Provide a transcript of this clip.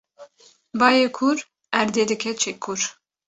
Bayê kûr erdê dike çekûr